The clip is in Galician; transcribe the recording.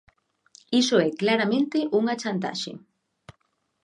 Iso é claramente unha chantaxe.